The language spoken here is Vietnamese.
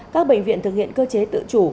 các bệnh viện thực hiện cơ chế tự chủ